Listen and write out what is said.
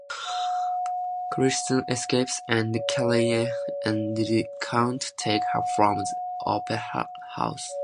Christine escapes, and Carriere and the Count take her from the Opera House.